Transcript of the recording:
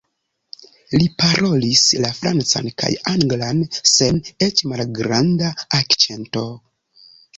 Li parolis la francan kaj anglan sen eĉ malgranda akĉento.